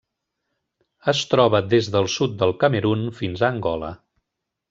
Es troba des del sud del Camerun fins a Angola.